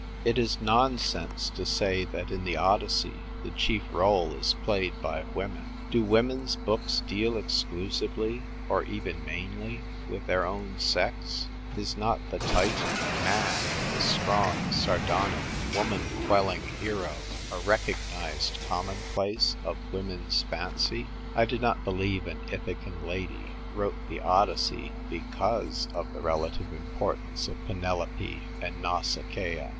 It is nonsense to say that in the Odyssey the chief role is played by women. Do women's books deal exclu sively, or even mainly, with their own sex ? Is not the Titan man, the strong, sardonic, woman quelling hero, a recognised common place of women's fancy ? I do not believe an Ithacan lady wrote the Odyssey because of the relative importance of Penelope and Nausicaa.